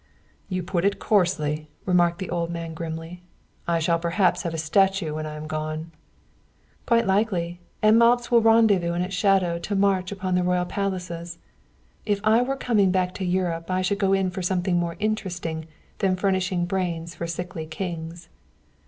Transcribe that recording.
"You put it coarsely," remarked the old man grimly. "I shall perhaps have a statue when I am gone." "Quite likely; and mobs will rendezvous in its shadow to march upon the royal palaces. If I were coming back to Europe I should go in for something more interesting than furnishing brains for sickly kings."